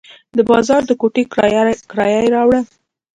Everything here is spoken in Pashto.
د بازار د کوټې کرایه یې راوړه.